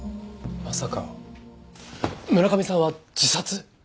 まさか村上さんは自殺？